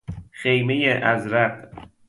خیمه ازرق